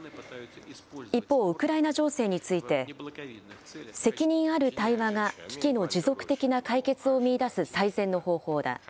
一方、ウクライナ情勢について、責任ある対話が危機の持続的な解決を見いだす最善の方法だ。